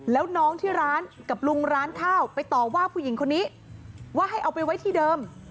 แล้วน้องที่ร้านกับลุงร้านข้าวไปต่อว่าผู้หญิงคนนี้ว่าให้เอาไปไว้ที่เดิม